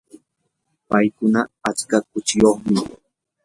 paykuna atska kuchiyuqmi.